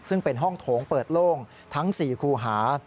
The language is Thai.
ซึ่งเป็นห้องโถงเปิดโล่งทั้ง๔คูหา